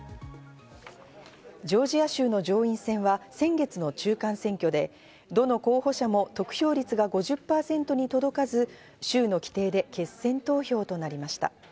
ジョージア州の上院選は、先月の中間選挙でどの候補者も得票率が５０％に届かず州の規定で決選投票となりました。